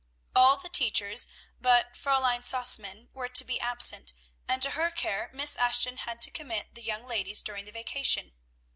All the teachers but Fräulein Sausmann were to be absent, and to her care Miss Ashton had to commit the young ladies during the vacation.